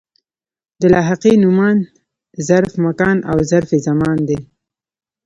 د لاحقې نومان ظرف مکان او ظرف زمان دي.